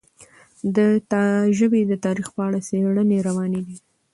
د ژبې د تاریخ په اړه څېړنې روانې دي.